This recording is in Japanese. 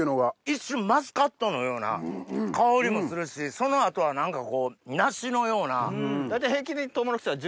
一瞬マスカットのような香りもするしその後は何かこう梨のような。